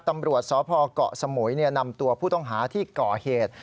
ตำรวจสพเกาะสมุยนำตัวผู้ต้องหาที่ก่อเหตุ